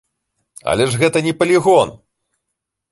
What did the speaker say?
Але ж гэта не палігон!